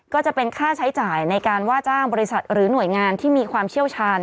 ก็จะเป็นค่าใช้จ่ายในการว่าจ้างบริษัทหรือหน่วยงานที่มีความเชี่ยวชาญ